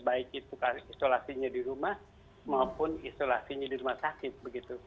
baiknya isolasinya di rumah maupun isolasinya di rumah sakit